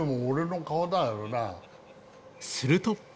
すると。